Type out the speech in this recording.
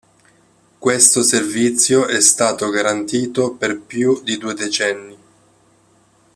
Questo servizio è stato garantito per più di due decenni.